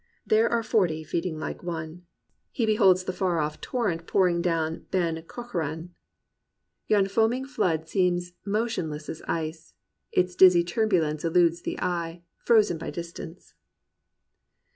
There are forty feeding like one 1'* 211 COMPANIONABLE BOOKS He beholds the far off torrent pouring down Ben Cruachan : "Yon foaming flood seems motionless as ice; Its dizzy turbulence eludes the eye. Frozen by distance."